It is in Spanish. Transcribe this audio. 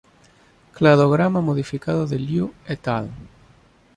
Cladograma modificado de Liu "et al.